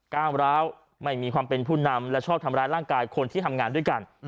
ก้าวร้าวไม่มีความเป็นผู้นำและชอบทำร้ายร่างกายคนที่ทำงานด้วยกัน